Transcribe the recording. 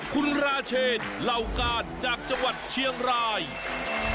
คุณราเชษราวกาศจากจังหวัดเชียงราย